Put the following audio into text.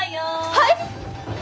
はい！？